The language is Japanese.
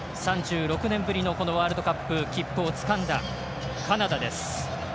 ３６年ぶりのワールドカップ切符をつかんだ、カナダです。